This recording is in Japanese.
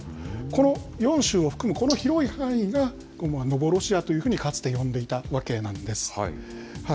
この４州を含むこの広い範囲が、今後はノボロシアというふうにかつて呼んでいたわけなんです。